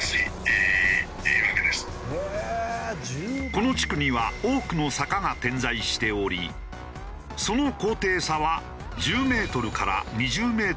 この地区には多くの坂が点在しておりその高低差は１０メートルから２０メートルあるという。